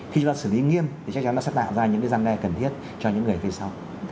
khi chúng ta xử lý nghiêm thì chắc chắn nó sẽ tạo ra những cái răng đe cần thiết cho những người phía sau